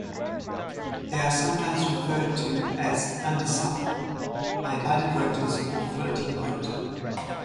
They are sometimes referred to as undecideds, undecided voters, or floating voter.